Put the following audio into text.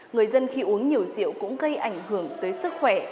người dân khi uống nhiều rượu cũng gây ảnh hưởng tới sức khỏe